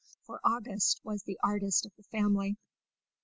For August was the artist of the family.